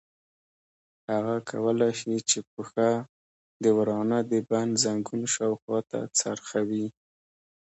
هغه کولای شي چې پښه د ورانه د بند زنګون شاوخوا ته څرخوي.